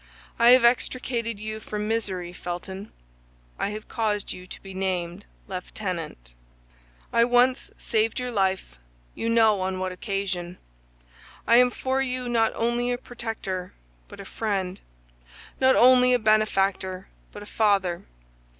I have extricated you from misery, Felton; I have caused you to be named lieutenant; I once saved your life, you know on what occasion. I am for you not only a protector, but a friend; not only a benefactor, but a father.